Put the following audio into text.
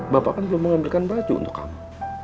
bapak kan belum mengambilkan baju untuk kami